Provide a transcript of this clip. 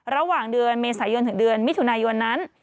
ระหว่างเดือนเมษายนถึงเดือนมิถุนายนนั้น